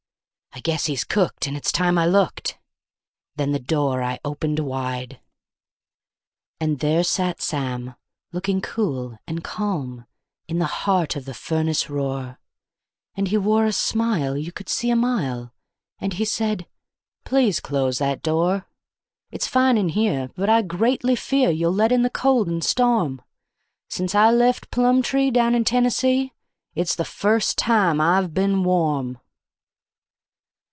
I guess he's cooked, and it's time I looked";. .. then the door I opened wide. And there sat Sam, looking cool and calm, in the heart of the furnace roar; And he wore a smile you could see a mile, and he said: "Please close that door. It's fine in here, but I greatly fear you'll let in the cold and storm Since I left Plumtree, down in Tennessee, it's the first time I've been warm."